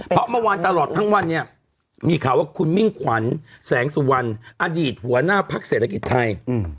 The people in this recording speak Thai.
เพราะเมื่อวานตลอดทั้งวันเนี่ยมีข่าวว่าคุณมิ่งขวัญแสงสุวรรณอดีตหัวหน้าพักเศรษฐกิจไทย